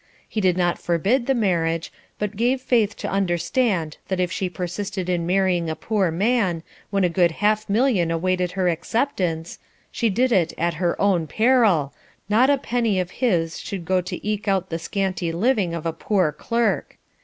He did not forbid the marriage, but gave Faith to understand that if she persisted in marrying a poor man, when a good half million awaited her acceptance, she did it at her own peril, not a penny of his should go to eke out the scanty living of a poor clerk.